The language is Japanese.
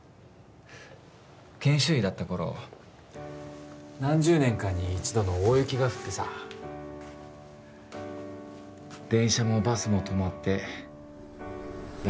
研修医だった頃何十年かに一度の大雪が降ってさ電車もバスも止まって誰も来られないって時に